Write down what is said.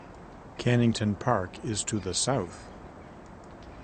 Kennington Park is to the south.